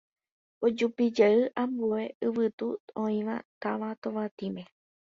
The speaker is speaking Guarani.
Ojupijey ambue yvyty oĩva táva Tovatĩme.